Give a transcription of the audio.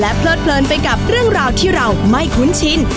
เพลิดเพลินไปกับเรื่องราวที่เราไม่คุ้นชิน